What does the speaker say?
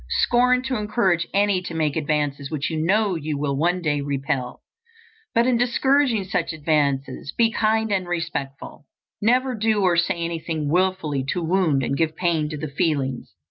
Scorn to encourage any to make advances which you know you will one day repel. But in discouraging such advances, be kind and respectful. Never do or say anything wilfully to wound and give pain to the feelings.